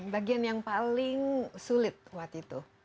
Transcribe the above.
bagian yang paling sulit waktu itu